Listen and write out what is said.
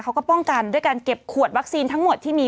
เขาก็ป้องกันด้วยการเก็บขวดวัคซีนทั้งหมดที่มี